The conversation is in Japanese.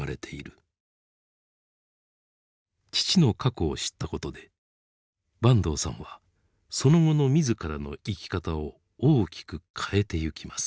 父の過去を知ったことで坂東さんはその後の自らの生き方を大きく変えてゆきます。